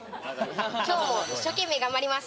きょうも一生懸命頑張ります。